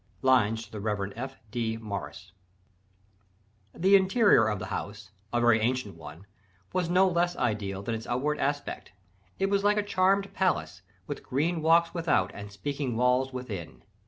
Lines to the Rev. F. D. Maurice. The interior of the house a very ancient one was no less ideal than its outward aspect, "it was like a charmed palace, with green walks without and speaking walls within."